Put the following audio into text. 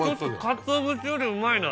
かつお節よりうまいな。